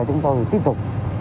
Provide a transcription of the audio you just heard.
chúng tôi tiếp tục